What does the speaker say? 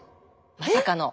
まさかの。